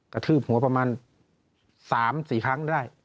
ทืบหัวประมาณ๓๔ครั้งได้